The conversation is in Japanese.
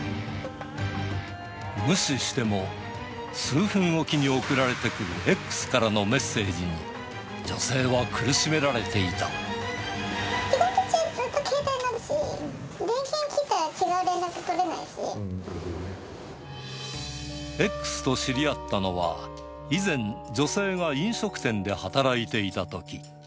無視しても、数分おきに送られてくるＸからのメッセージに、女性は苦しめられ仕事中、ずっと携帯鳴るし、電源を切ったら、Ｘと知り合ったのは、以前、女性が飲食店で働いていたとき。